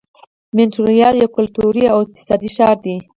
مونټریال یو کلتوري او اقتصادي ښار دی.